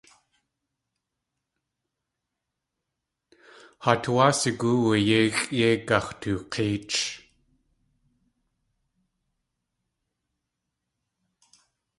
Haa tuwáa sigóowu yéixʼ yei gax̲took̲éech.